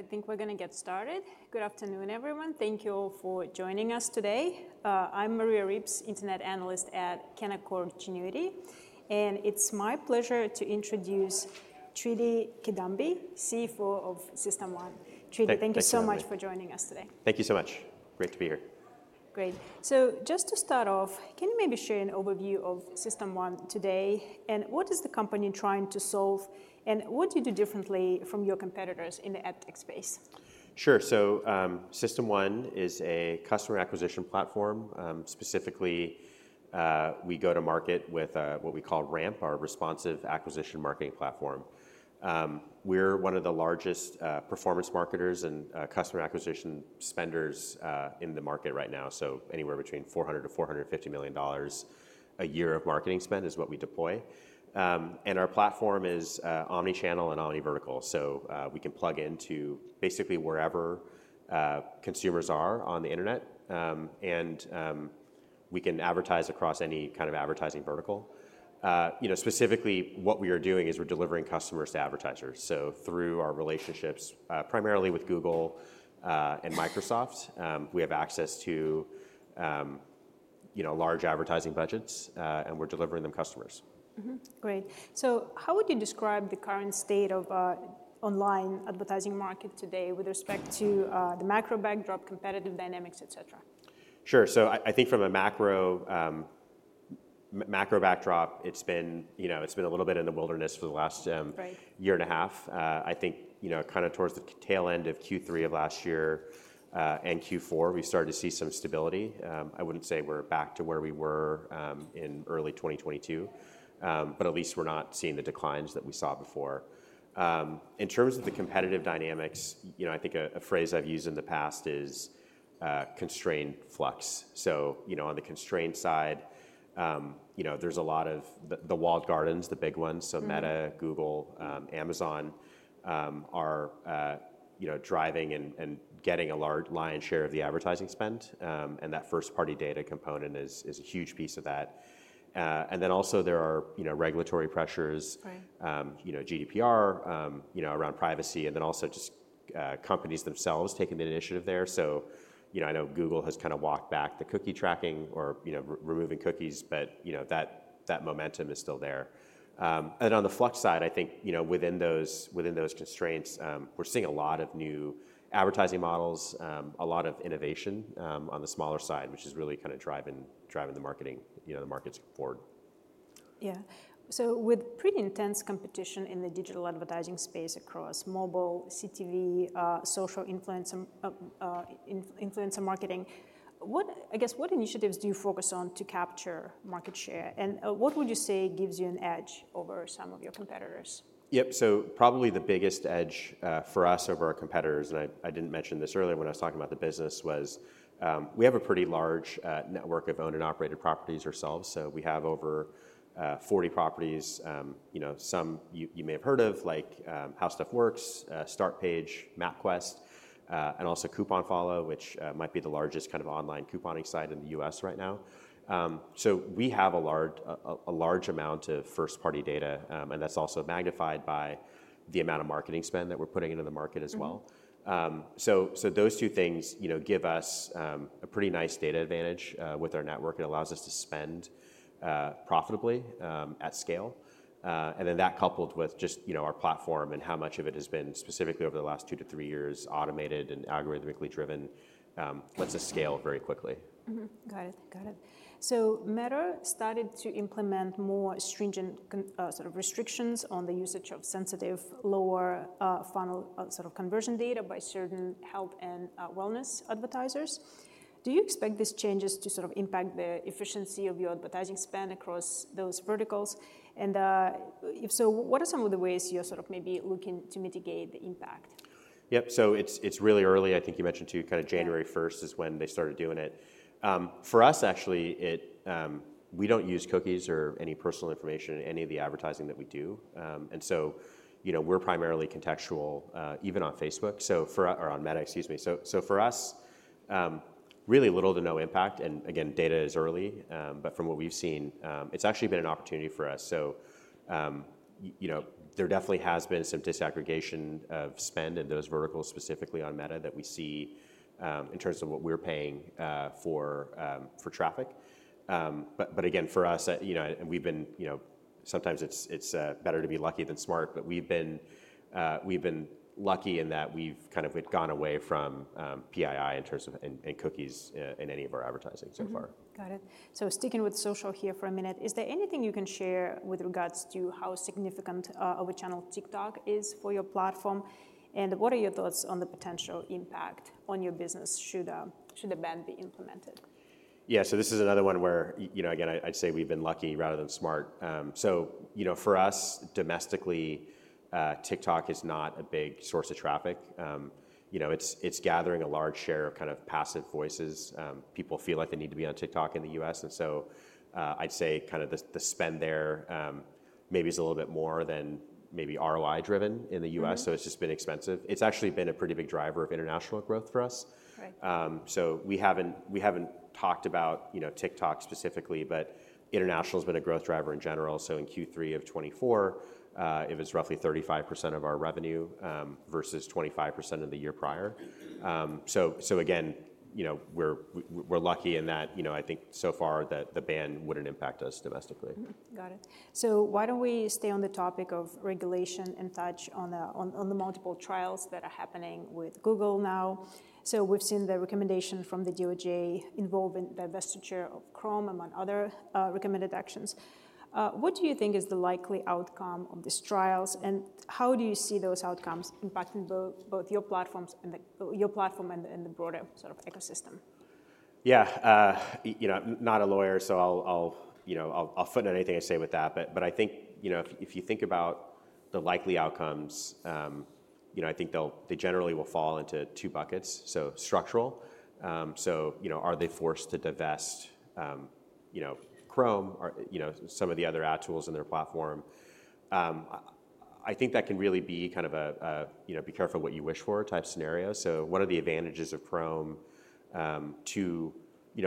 I think we're going to get started. Good afternoon, everyone. Thank you all for joining us today. I'm Maria Ripps, Internet Analyst at Canaccord Genuity. And it's my pleasure to introduce Tridi Kidambi, CFO of System1. Tridi, thank you so much for joining us today. Thank you so much. Great to be here. Great. So just to start off, can you maybe share an overview of System1 today? And what is the company trying to solve? And what do you do differently from your competitors in the AdTech space? Sure. So System1 is a customer acquisition platform. Specifically, we go to market with what we call RAMP, our Responsive Acquisition Marketing Platform. We're one of the largest performance marketers and customer acquisition spenders in the market right now. So anywhere between $400-$450 million a year of marketing spend is what we deploy. And our platform is omnichannel and omnivertical. So we can plug into basically wherever consumers are on the internet. And we can advertise across any kind of advertising vertical. Specifically, what we are doing is we're delivering customers to advertisers. So through our relationships, primarily with Google and Microsoft, we have access to large advertising budgets. And we're delivering them customers. Great. So how would you describe the current state of the online advertising market today with respect to the macro backdrop, competitive dynamics, et cetera? Sure. So I think from a macro backdrop, it's been a little bit in the wilderness for the last year and a half. I think kind of towards the tail end of Q3 of last year and Q4, we started to see some stability. I wouldn't say we're back to where we were in early 2022, but at least we're not seeing the declines that we saw before. In terms of the competitive dynamics, I think a phrase I've used in the past is constrained flux. So on the constrained side, there's a lot of the walled gardens, the big ones. So Meta, Google, Amazon are driving and getting a large lion's share of the advertising spend. And that first-party data component is a huge piece of that. And then also there are regulatory pressures, GDPR around privacy. And then also just companies themselves taking the initiative there. So I know Google has kind of walked back the cookie tracking or removing cookies. But that momentum is still there. And on the plus side, I think within those constraints, we're seeing a lot of new advertising models, a lot of innovation on the smaller side, which is really kind of driving the market forward. Yeah, so with pretty intense competition in the digital advertising space across mobile, CTV, social influencer marketing, I guess what initiatives do you focus on to capture market share? And what would you say gives you an edge over some of your competitors? Yep. So probably the biggest edge for us over our competitors, and I didn't mention this earlier when I was talking about the business, was we have a pretty large network of owned and operated properties ourselves. So we have over 40 properties, some you may have heard of, like HowStuffWorks, Startpage, MapQuest, and also CouponFollow, which might be the largest kind of online couponing site in the U.S. right now. So we have a large amount of first-party data. And that's also magnified by the amount of marketing spend that we're putting into the market as well. So those two things give us a pretty nice data advantage with our network. It allows us to spend profitably at scale. And then that coupled with just our platform and how much of it has been specifically over the last two to three years automated and algorithmically driven lets us scale very quickly. Got it. Got it. So Meta started to implement more stringent restrictions on the usage of sensitive, lower-funnel conversion data by certain health and wellness advertisers. Do you expect these changes to impact the efficiency of your advertising spend across those verticals? And if so, what are some of the ways you're maybe looking to mitigate the impact? Yep. So it's really early. I think you mentioned, too, kind of January 1 is when they started doing it. For us, actually, we don't use cookies or any personal information in any of the advertising that we do. And so we're primarily contextual, even on Facebook or on Meta, excuse me. So for us, really little to no impact. And again, data is early. But from what we've seen, it's actually been an opportunity for us. So there definitely has been some disaggregation of spend in those verticals, specifically on Meta, that we see in terms of what we're paying for traffic. But again, for us, and we've been, sometimes it's better to be lucky than smart. But we've been lucky in that we've kind of gone away from PII in terms of, and cookies in any of our advertising so far. Got it. So sticking with social here for a minute, is there anything you can share with regards to how significant our channel TikTok is for your platform? And what are your thoughts on the potential impact on your business should a ban be implemented? Yeah. So this is another one where, again, I'd say we've been lucky rather than smart. So for us, domestically, TikTok is not a big source of traffic. It's gathering a large share of kind of passive voices. People feel like they need to be on TikTok in the U.S. And so I'd say kind of the spend there maybe is a little bit more than maybe ROI-driven in the U.S. So it's just been expensive. It's actually been a pretty big driver of international growth for us. So we haven't talked about TikTok specifically. But international has been a growth driver in general. So in Q3 of 2024, it was roughly 35% of our revenue versus 25% of the year prior. So again, we're lucky in that I think so far that the ban wouldn't impact us domestically. Got it. So why don't we stay on the topic of regulation and touch on the multiple trials that are happening with Google now? So we've seen the recommendation from the DOJ involving the divestiture of Chrome among other recommended actions. What do you think is the likely outcome of these trials? And how do you see those outcomes impacting both your platform and the broader ecosystem? Yeah. I'm not a lawyer. So I'll footnote anything I say with that. But I think if you think about the likely outcomes, I think they generally will fall into two buckets. So structural. So are they forced to divest Chrome or some of the other ad tools in their platform? I think that can really be kind of a be careful what you wish for type scenario. So one of the advantages of Chrome to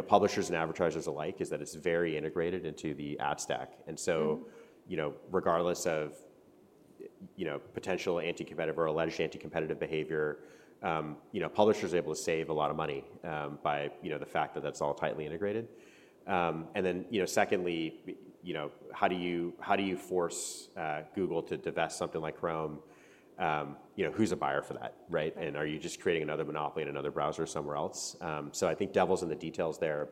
publishers and advertisers alike is that it's very integrated into the ad stack. And so regardless of potential anti-competitive or alleged anti-competitive behavior, publishers are able to save a lot of money by the fact that that's all tightly integrated. And then secondly, how do you force Google to divest something like Chrome? Who's a buyer for that? And are you just creating another monopoly in another browser somewhere else? So I think devil's in the details there.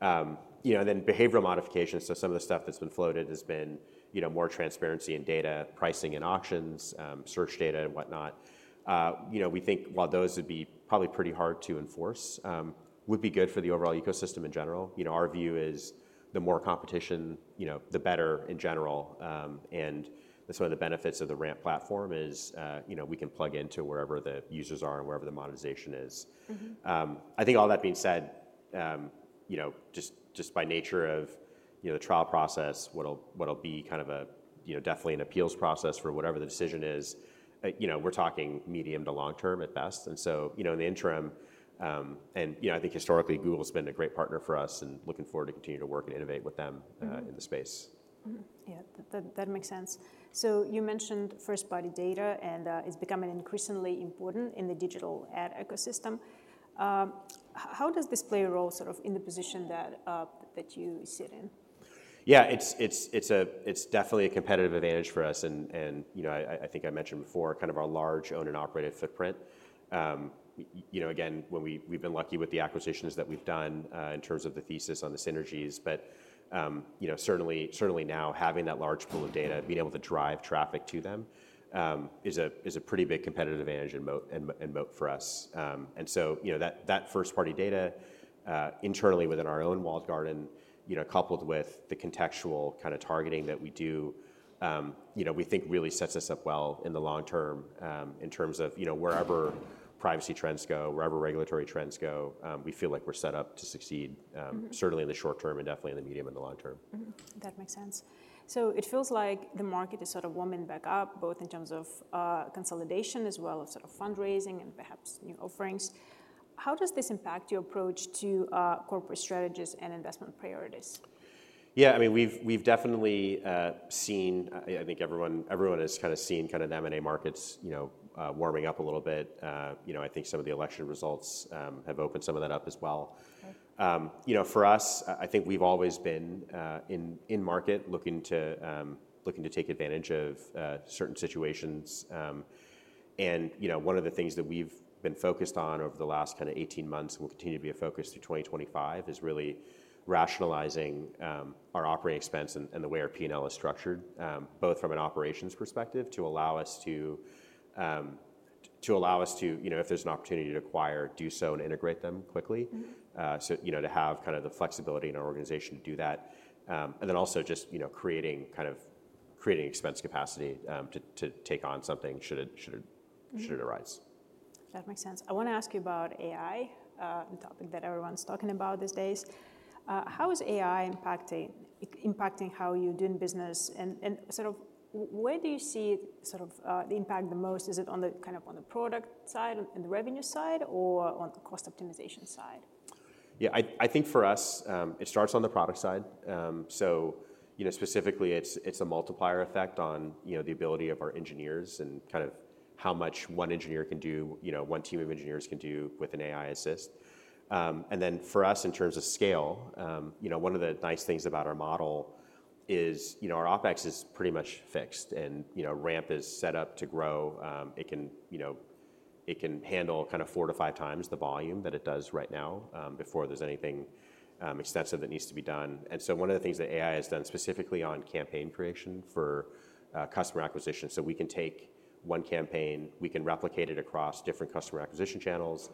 And then behavioral modification. So some of the stuff that's been floated has been more transparency in data, pricing and auctions, search data, and whatnot. We think while those would be probably pretty hard to enforce, would be good for the overall ecosystem in general. Our view is the more competition, the better in general. And that's one of the benefits of the RAMP platform is we can plug into wherever the users are and wherever the monetization is. I think all that being said, just by nature of the trial process, what'll be kind of definitely an appeals process for whatever the decision is, we're talking medium to long term at best. In the interim, and I think historically, Google has been a great partner for us and looking forward to continue to work and innovate with them in the space. Yeah. That makes sense. So, you mentioned first-party data, and it's becoming increasingly important in the digital ad ecosystem. How does this play a role in the position that you sit in? Yeah. It's definitely a competitive advantage for us. And I think I mentioned before kind of our large owned and operated footprint. Again, we've been lucky with the acquisitions that we've done in terms of the thesis on the synergies. But certainly now having that large pool of data, being able to drive traffic to them is a pretty big competitive advantage and moat for us. And so that first-party data internally within our own walled garden, coupled with the contextual kind of targeting that we do, we think really sets us up well in the long term in terms of wherever privacy trends go, wherever regulatory trends go, we feel like we're set up to succeed certainly in the short term and definitely in the medium and the long term. That makes sense. So it feels like the market is sort of warming back up both in terms of consolidation as well as fundraising and perhaps new offerings. How does this impact your approach to corporate strategies and investment priorities? Yeah. I mean, we've definitely seen I think everyone has kind of seen kind of the M&A markets warming up a little bit. I think some of the election results have opened some of that up as well. For us, I think we've always been in market, looking to take advantage of certain situations. And one of the things that we've been focused on over the last kind of 18 months and will continue to be a focus through 2025 is really rationalizing our operating expense and the way our P&L is structured, both from an operations perspective to allow us to if there's an opportunity to acquire, do so, and integrate them quickly. So to have kind of the flexibility in our organization to do that. And then also just creating kind of expense capacity to take on something should it arise. That makes sense. I want to ask you about AI, the topic that everyone's talking about these days. How is AI impacting how you're doing business? And where do you see the impact the most? Is it kind of on the product side and the revenue side or on the cost optimization side? Yeah. I think for us, it starts on the product side. So specifically, it's a multiplier effect on the ability of our engineers and kind of how much one engineer can do, one team of engineers can do with an AI assist. And then for us, in terms of scale, one of the nice things about our model is our OPEX is pretty much fixed. And RAMP is set up to grow. It can handle kind of four to five times the volume that it does right now before there's anything extensive that needs to be done. And so one of the things that AI has done specifically on campaign creation for customer acquisition. So we can take one campaign. We can replicate it across different customer acquisition channels,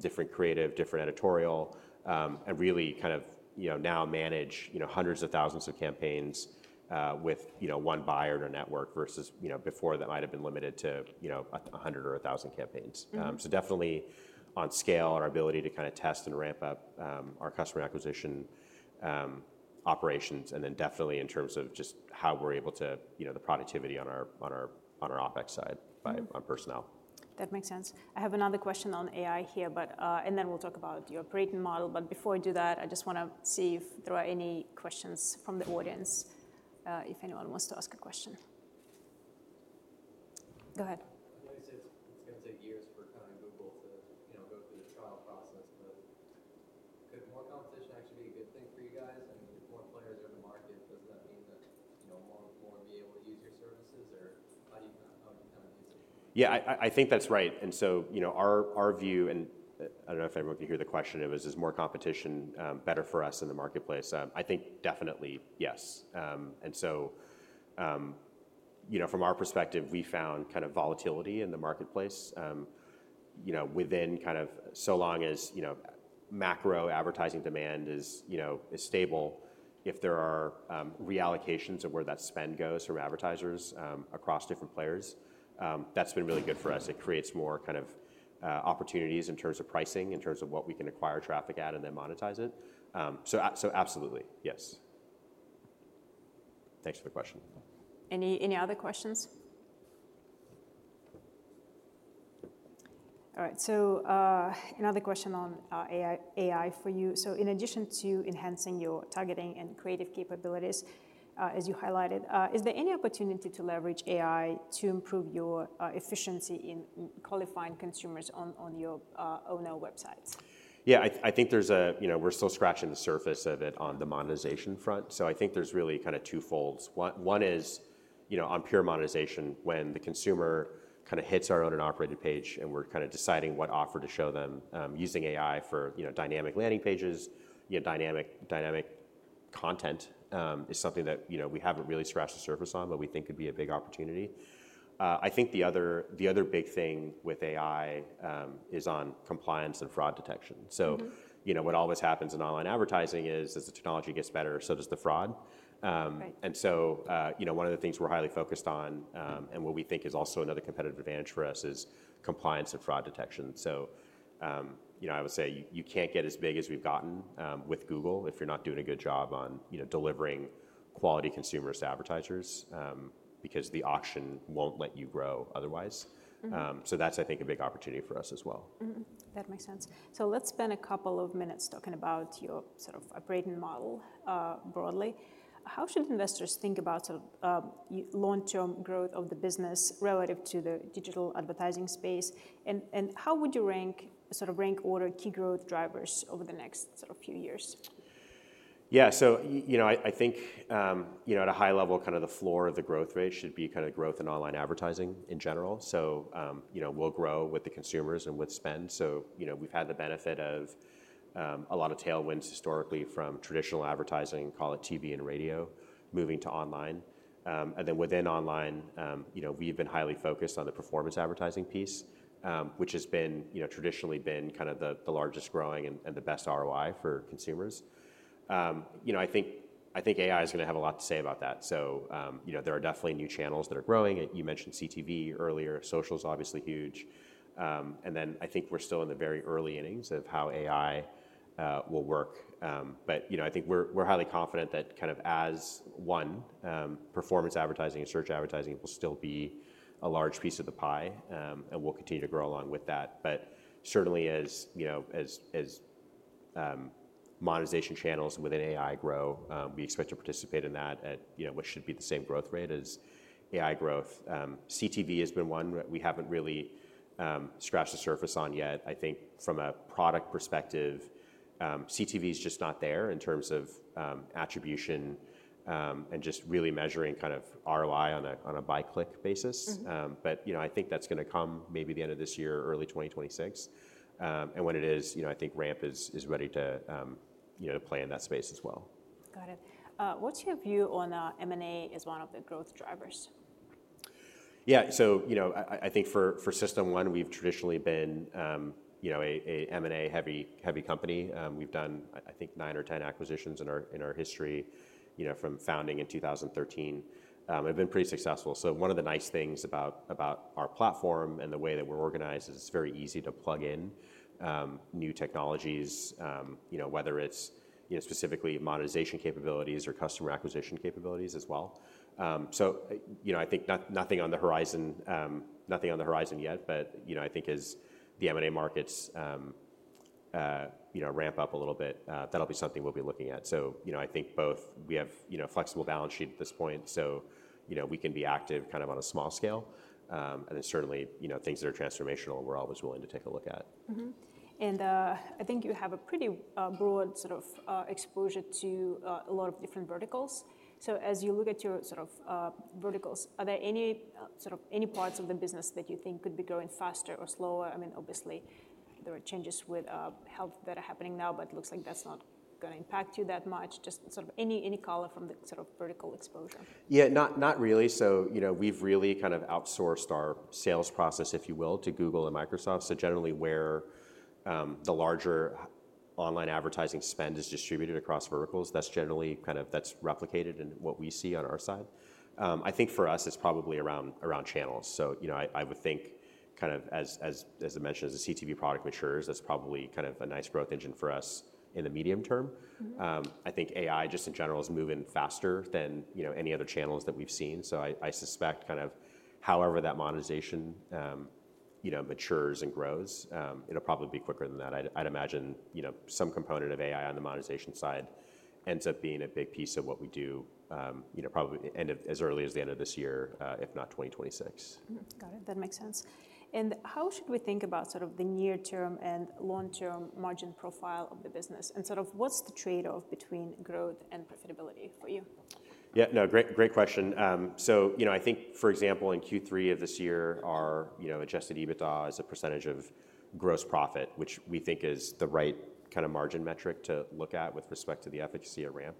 different creative, different editorial, and really kind of now manage hundreds of thousands of campaigns with one buyer in our network versus before that might have been limited to 100 or 1,000 campaigns. So definitely on scale, our ability to kind of test and ramp up our customer acquisition operations. And then definitely in terms of just how we're able to the productivity on our OPEX side on personnel. That makes sense. I have another question on AI here. And then we'll talk about your operating model. But before I do that, I just want to see if there are any questions from the audience if anyone wants to ask a question? Go ahead. You said it's going to take years for kind of Google to go through the trial process. But could more competition actually be a good thing for you guys? I mean, if more players are in the market, doesn't that mean that more will be able to use your services? Or how do you kind of view that? Yeah. I think that's right. And so our view, and I don't know if everyone could hear the question, is more competition better for us in the marketplace? I think definitely yes. And so from our perspective, we found kind of volatility in the marketplace within kind of so long as macro advertising demand is stable, if there are reallocations of where that spend goes from advertisers across different players, that's been really good for us. It creates more kind of opportunities in terms of pricing, in terms of what we can acquire traffic at and then monetize it. So absolutely, yes. Thanks for the question. Any other questions? All right. So another question on AI for you. So in addition to enhancing your targeting and creative capabilities, as you highlighted, is there any opportunity to leverage AI to improve your efficiency in qualifying consumers on your own websites? Yeah. I think we're still scratching the surface of it on the monetization front. So I think there's really kind of twofold. One is on pure monetization when the consumer kind of hits our owned and operated page and we're kind of deciding what offer to show them using AI for dynamic landing pages. Dynamic content is something that we haven't really scratched the surface on, but we think could be a big opportunity. I think the other big thing with AI is on compliance and fraud detection. So what always happens in online advertising is as the technology gets better, so does the fraud. And so one of the things we're highly focused on and what we think is also another competitive advantage for us is compliance and fraud detection. So I would say you can't get as big as we've gotten with Google if you're not doing a good job on delivering quality consumers to advertisers because the auction won't let you grow otherwise. So that's, I think, a big opportunity for us as well. That makes sense. So let's spend a couple of minutes talking about your operating model broadly. How should investors think about long-term growth of the business relative to the digital advertising space? And how would you rank key growth drivers over the next few years? Yeah. So I think at a high level, kind of the floor of the growth rate should be kind of growth in online advertising in general. So we'll grow with the consumers and with spend. So we've had the benefit of a lot of tailwinds historically from traditional advertising, call it TV and radio, moving to online. And then within online, we've been highly focused on the performance advertising piece, which has traditionally been kind of the largest growing and the best ROI for consumers. I think AI is going to have a lot to say about that. So there are definitely new channels that are growing. You mentioned CTV earlier. Social is obviously huge. And then I think we're still in the very early innings of how AI will work. But I think we're highly confident that kind of as one, performance advertising and search advertising will still be a large piece of the pie. And we'll continue to grow along with that. But certainly as monetization channels within AI grow, we expect to participate in that at what should be the same growth rate as AI growth. CTV has been one we haven't really scratched the surface on yet. I think from a product perspective, CTV is just not there in terms of attribution and just really measuring kind of ROI on a by-click basis. But I think that's going to come maybe the end of this year, early 2026. And when it is, I think RAMP is ready to play in that space as well. Got it. What's your view on M&A as one of the growth drivers? Yeah, so I think for System1, we've traditionally been an M&A-heavy company. We've done, I think, nine or 10 acquisitions in our history from founding in 2013. We've been pretty successful, so one of the nice things about our platform and the way that we're organized is it's very easy to plug in new technologies, whether it's specifically monetization capabilities or customer acquisition capabilities as well, so I think nothing on the horizon yet, but I think as the M&A markets ramp up a little bit, that'll be something we'll be looking at, so I think both we have a flexible balance sheet at this point, so we can be active kind of on a small scale, and then certainly things that are transformational, we're always willing to take a look at. I think you have a pretty broad exposure to a lot of different verticals. So as you look at your verticals, are there any parts of the business that you think could be growing faster or slower? I mean, obviously, there are changes with health that are happening now. But it looks like that's not going to impact you that much. Just any color from the vertical exposure. Yeah. Not really. So we've really kind of outsourced our sales process, if you will, to Google and Microsoft. So generally, where the larger online advertising spend is distributed across verticals, that's generally kind of replicated in what we see on our side. I think for us, it's probably around channels. So I would think kind of, as I mentioned, as the CTV product matures, that's probably kind of a nice growth engine for us in the medium term. I think AI just in general is moving faster than any other channels that we've seen. So I suspect kind of however that monetization matures and grows, it'll probably be quicker than that. I'd imagine some component of AI on the monetization side ends up being a big piece of what we do probably as early as the end of this year, if not 2026. Got it. That makes sense. And how should we think about the near-term and long-term margin profile of the business? And what's the trade-off between growth and profitability for you? Yeah. No. Great question. So I think, for example, in Q3 of this year, our Adjusted EBITDA as a percentage of gross profit, which we think is the right kind of margin metric to look at with respect to the efficacy of RAMP,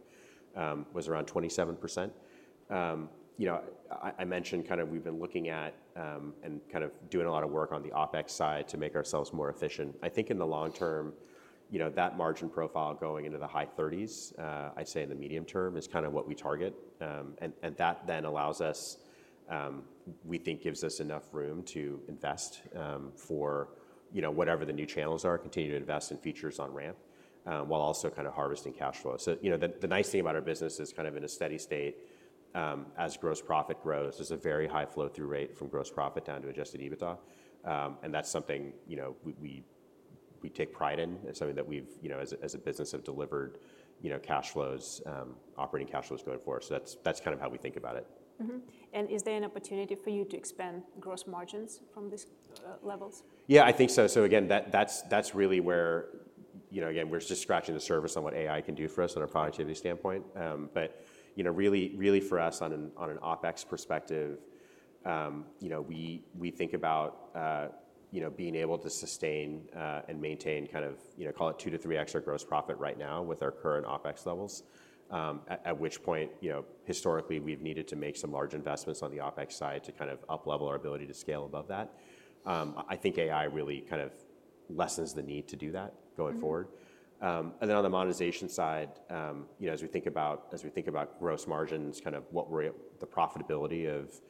was around 27%. I mentioned kind of we've been looking at and kind of doing a lot of work on the OPEX side to make ourselves more efficient. I think in the long term, that margin profile going into the high 30s, I'd say in the medium term is kind of what we target. And that then allows us, we think gives us enough room to invest for whatever the new channels are, continue to invest in features on RAMP while also kind of harvesting cash flow. So the nice thing about our business is kind of in a steady state as gross profit grows. There's a very high flow-through rate from gross profit down to Adjusted EBITDA. And that's something we take pride in. It's something that we've, as a business, have delivered operating cash flows going forward. So that's kind of how we think about it. Is there an opportunity for you to expand gross margins from these levels? Yeah. I think so. So again, that's really where, again, we're just scratching the surface on what AI can do for us on a productivity standpoint. But really, for us, on an OPEX perspective, we think about being able to sustain and maintain kind of, call it two to three extra gross profit right now with our current OPEX levels, at which point historically we've needed to make some large investments on the OPEX side to kind of up-level our ability to scale above that. I think AI really kind of lessens the need to do that going forward. And then on the monetization side, as we think about gross margins, kind of the profitability of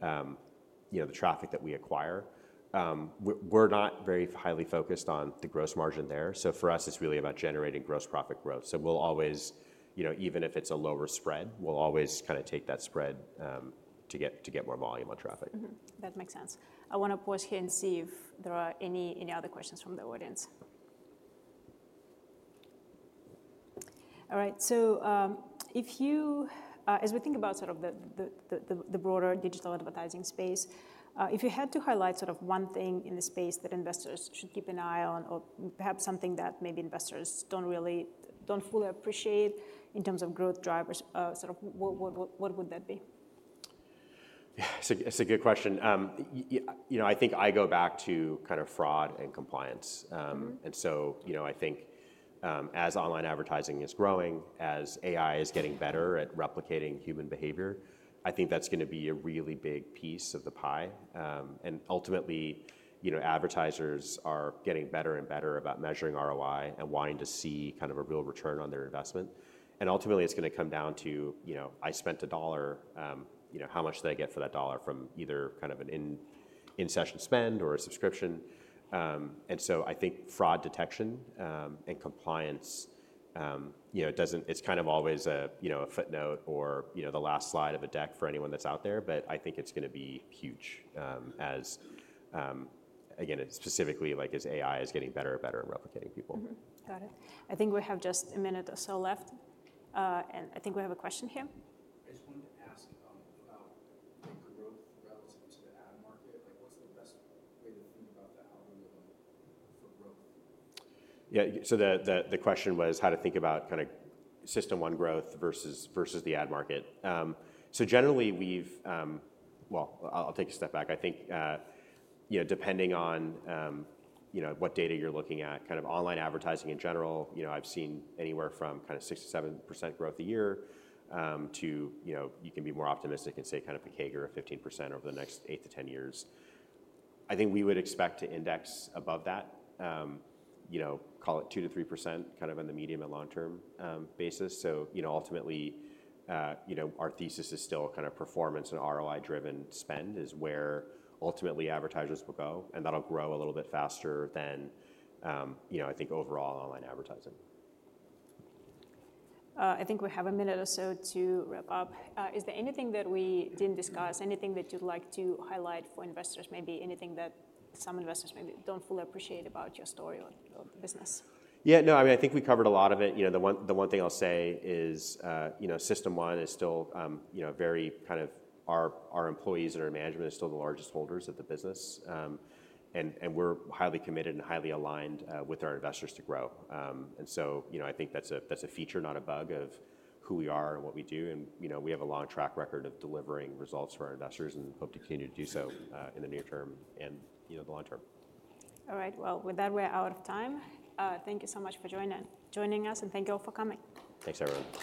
the traffic that we acquire, we're not very highly focused on the gross margin there. So for us, it's really about generating gross profit growth. So even if it's a lower spread, we'll always kind of take that spread to get more volume on traffic. That makes sense. I want to pause here and see if there are any other questions from the audience. All right. So as we think about the broader digital advertising space, if you had to highlight one thing in the space that investors should keep an eye on or perhaps something that maybe investors don't fully appreciate in terms of growth drivers, what would that be? Yeah. That's a good question. I think I go back to kind of fraud and compliance. And so I think as online advertising is growing, as AI is getting better at replicating human behavior, I think that's going to be a really big piece of the pie. And ultimately, advertisers are getting better and better about measuring ROI and wanting to see kind of a real return on their investment. And ultimately, it's going to come down to, I spent a dollar, how much did I get for that dollar from either kind of an in-session spend or a subscription? And so I think fraud detection and compliance, it's kind of always a footnote or the last slide of a deck for anyone that's out there. But I think it's going to be huge as, again, specifically as AI is getting better and better at replicating people. Got it. I think we have just a minute or so left, and I think we have a question here. I just wanted to ask about the growth relative to the ad market. What's the best way to think about the algorithm for growth? Yeah. So the question was how to think about kind of System1 growth versus the ad market. So generally, well, I'll take a step back. I think depending on what data you're looking at, kind of online advertising in general, I've seen anywhere from kind of 6%-7% growth a year to you can be more optimistic and say kind of a CAGR of 15% over the next 8-10 years. I think we would expect to index above that, call it 2%-3% kind of on the medium and long-term basis. So ultimately, our thesis is still kind of performance and ROI-driven spend is where ultimately advertisers will go. And that'll grow a little bit faster than I think overall online advertising. I think we have a minute or so to wrap up. Is there anything that we didn't discuss, anything that you'd like to highlight for investors, maybe anything that some investors maybe don't fully appreciate about your story or the business? Yeah. No. I mean, I think we covered a lot of it. The one thing I'll say is System1 is still very kind of our employees and our management is still the largest holders of the business, and we're highly committed and highly aligned with our investors to grow, and so I think that's a feature, not a bug, of who we are and what we do, and we have a long track record of delivering results for our investors and hope to continue to do so in the near term and the long term. All right. Well, with that, we're out of time. Thank you so much for joining us. And thank you all for coming. Thanks, everyone.